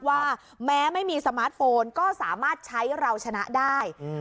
ว่าแม้ไม่มีสมาร์ทโฟนก็สามารถใช้เราชนะได้